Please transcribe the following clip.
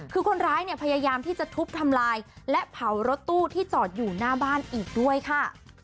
คือคนร้ายเนี่ยพยายามที่จะทุบทำลายและเผารถตู้ที่จอดอยู่หน้าบ้านอีกด้วยค่ะ